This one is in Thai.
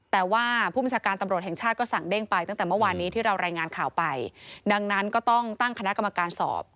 แต่ว่าผู้บัญชาการตำรวจแห่งชาติก็สั่งเด้งไปตั้งแต่เมื่อวานนี้ที่เรารายงานข่าวไปดังนั้นก็ต้องตั้งคณะกรรมการสอบ